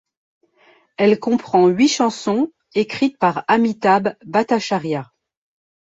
Elle comprend huit chansons, écrites par Amitabh Bhattacharya.